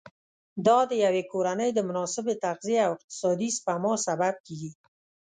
دا د یوې کورنۍ د مناسبې تغذیې او اقتصادي سپما سبب کېږي.